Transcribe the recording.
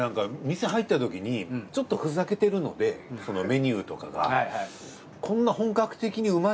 店入ったときにちょっとふざけてるのでそのメニューとかが。